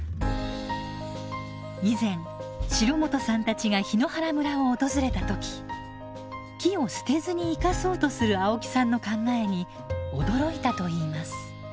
以前城本さんたちが檜原村を訪れた時木を捨てずに生かそうとする青木さんの考えに驚いたといいます。